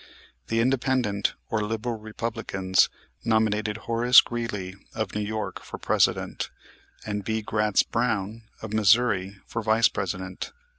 The Independent or Liberal Republicans nominated Horace Greeley of New York, for President, and B. Gratz Brown, of Missouri, for Vice President.